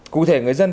cụ thể người dân